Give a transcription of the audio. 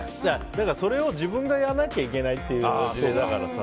それを自分がやらなきゃいけないっていう事例だからさ。